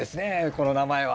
この名前は。